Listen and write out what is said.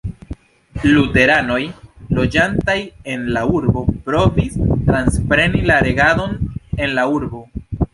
Luteranoj loĝantaj en la urbo provis transpreni la regadon en la urbo.